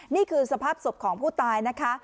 นี่คือสภาพศพของผู้ตายนะคะ